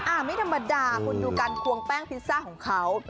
ไม่ธรรมดาคุณดูการควงแป้งพิซซ่าของเขา